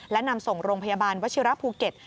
และนำส่งโรงพยาบาลวชิระภูเก็ต